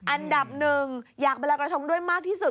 อันดับหนึ่งอยากไปลอยกระทงด้วยมากที่สุด